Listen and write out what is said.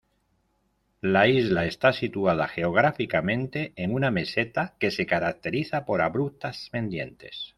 La isla está situada geográficamente en una meseta que se caracteriza por abruptas pendientes.